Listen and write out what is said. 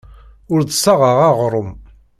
Ur d-ssaɣeɣ aɣrum.